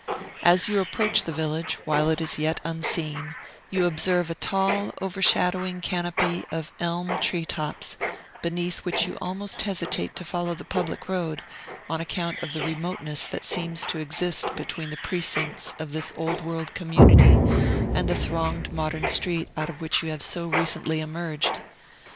As you approach the village, while it is yet unseen, you observe a tall, overshadowing canopy of elm tree tops, beneath which you almost hesitate to follow the public road, on account of the remoteness that seems to exist between the precincts of this old world community and the thronged modern street out of which you have so recently emerged.